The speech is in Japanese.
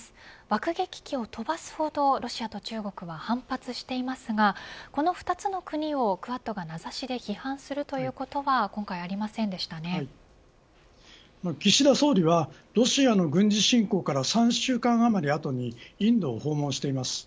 爆撃機を飛ばすほどロシアと中国は反発していますがこの２つの国をクアッドが名指しで批判するということは岸田総理はロシアの軍事侵攻から３週間あまり後にインドを訪問しています。